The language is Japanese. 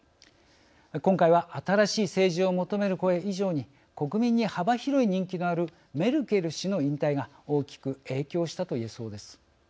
今回は、新しい政治を求める声以上に国民に幅広い人気があるメルケル氏の引退が大きく影響したといえそうです。